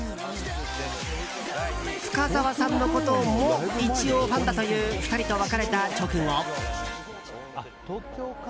深澤さんのことも一応ファンだという２人と別れた直後。